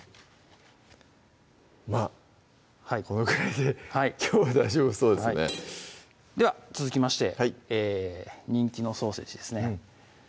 まぁこのくらいできょうは大丈夫そうですねでは続きまして人気のソーセージですね